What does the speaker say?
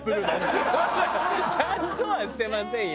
ちゃんとはしてませんよ。